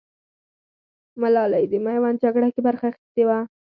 ملالۍ د ميوند جگړه کې برخه اخيستې وه.